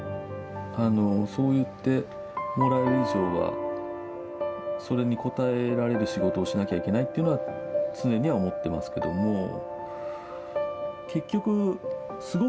あのそう言ってもらえる以上はそれに応えられる仕事をしなきゃいけないというのは常には思ってますけども。